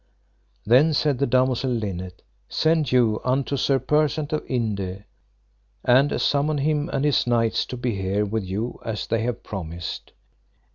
Then said the damosel Linet: Send you unto Sir Persant of Inde, and assummon him and his knights to be here with you as they have promised.